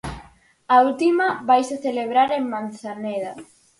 A última vaise celebrar en Manzaneda.